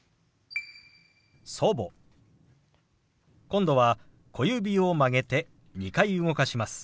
今度は小指を曲げて２回動かします。